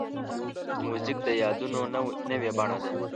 موزیک د یادونو نوې بڼه ده.